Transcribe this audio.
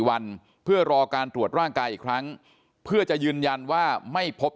วันเพื่อรอการตรวจร่างกายอีกครั้งเพื่อจะยืนยันว่าไม่พบ